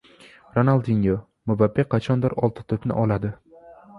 Ronaldinyo: "Mbappe qachondir «Oltin to‘p»ni oladi..."